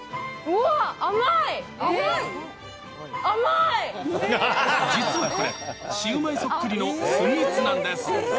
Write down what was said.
うわっ、実はこれ、シウマイそっくりのスイーツなんです。